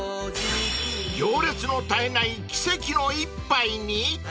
［行列の絶えない奇跡の一杯に］